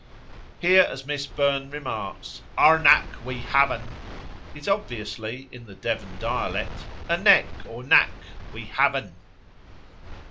_'" Here, as Miss Burne remarks, "'arnack, we haven!' is obviously in the Devon dialect, 'a neck (or nack)! we have un!'"